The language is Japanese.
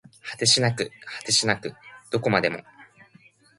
果てしなく果てしなくどこまでも